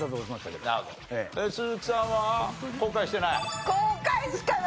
鈴木さんは後悔してない？